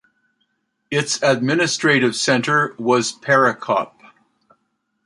Its administrative centre was Perekop.